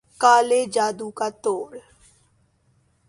کالے جادو کا توڑ